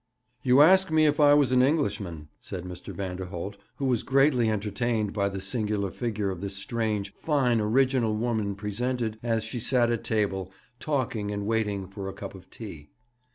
'You asked me if I was an Englishman,' said Mr. Vanderholt, who was greatly entertained by the singular figure this strange, fine, original woman presented, as she sat at table, talking, and waiting for a cup of tea.